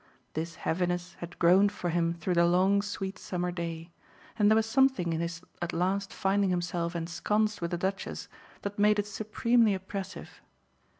This heaviness had grown for him through the long sweet summer day, and there was something in his at last finding himself ensconced with the Duchess that made it supremely oppressive.